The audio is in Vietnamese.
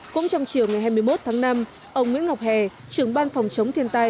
cũng trong chiều ngày hai mươi một tháng năm ông nguyễn ngọc hè trưởng ban phòng chống thiên tai